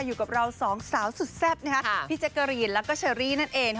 อยู่กับเราสองสาวสุดแซ่บพี่แจ๊กกะรีนแล้วก็เชอรี่นั่นเอง